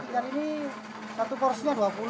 ikan ini satu porsinya dua puluh